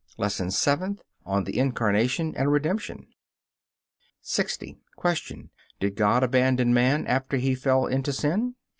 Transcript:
LESSON SEVENTH ON THE INCARNATION AND REDEMPTION 60. Q. Did God abandon man after he fell into sin?